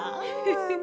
フフフ。